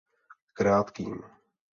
Krátkým.